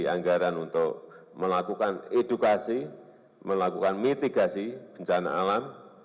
anggaran untuk melakukan edukasi melakukan mitigasi bencana alam